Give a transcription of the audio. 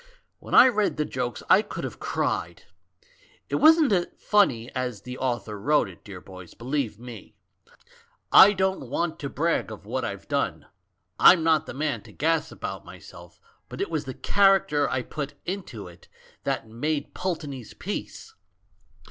When I read the jokes I could have cried. It wasn't funny as the author wrote it, dear boys, believe me. I don't want to brag of what I've done — I'm not the man to gas about myself— but it was the character I put into it that made Pulteney's piece